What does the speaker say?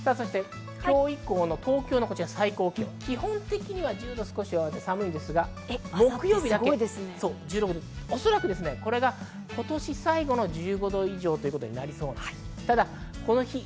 今日以降の東京の最高気温、基本的に１０度少し上回って寒いですが、木曜日だけ１６度、おそらくこれが今年最後の１５度以上ということになりそうです。